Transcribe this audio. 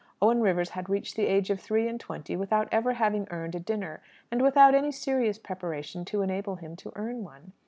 Owen Rivers had reached the age of three and twenty without ever having earned a dinner, and without any serious preparation to enable him to earn one.